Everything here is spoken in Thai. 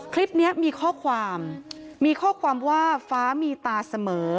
คลิปนี้มีข้อความมีข้อความว่าฟ้ามีตาเสมอ